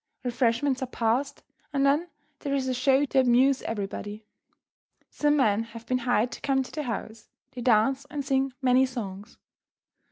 Refreshments are passed, and then there is a "show" to amuse everybody. Some men have been hired to come to the house. They dance and sing many songs.